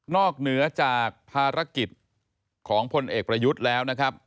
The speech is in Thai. อกเหนือจากภารกิจของพลเอกประยุทธ์แล้วนะครับ